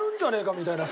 みたいなさ。